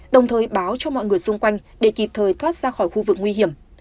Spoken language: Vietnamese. đồng thời báo cho mọi người xung quanh để kịp thời thoát ra khỏi khu vực nguy hiểm